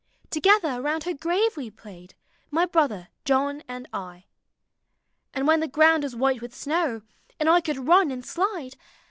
Together round her grave we played, My brother John and I. " And when the ground was white with snow. And I could run and slide.